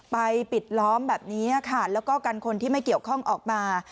ปิดล้อมแบบนี้ค่ะแล้วก็กันคนที่ไม่เกี่ยวข้องออกมา